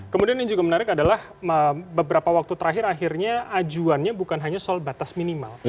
kemudian yang juga menarik adalah beberapa waktu terakhir akhirnya ajuannya bukan hanya soal batas minimal